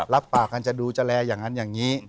รับปากกันจะดูแลอย่างนั้นอย่างนี้